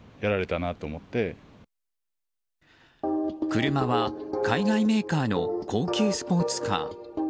車は、海外メーカーの高級スポーツカー。